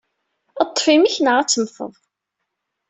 Ṭṭef imi-k, neɣ ad temmteḍ.